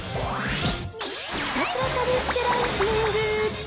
ひたすら試してランキング。